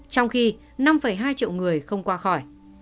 trong khi năm hai triệu người không qua khỏi